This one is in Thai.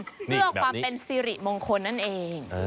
ในแบบนี้เลือกมาเป็นซิริมงคลนั่นเอง